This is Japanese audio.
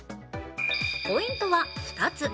ポイントは２つ。